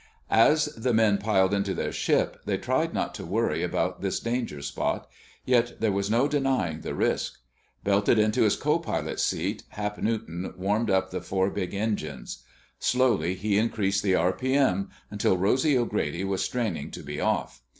As the men piled into their ship they tried not to worry about this danger spot; yet there was no denying the risk. Belted into his co pilot's seat, Hap Newton warmed up the four big engines. Slowly he increased the r.p.m. until Rosy O'Grady was straining to be off.